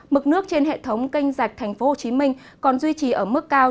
mực nước trên hệ thống kênh dạch tp hcm còn duy trì ở mức cao